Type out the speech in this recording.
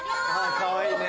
かわいいね。